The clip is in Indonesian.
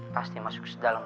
pasti masuk ke dalam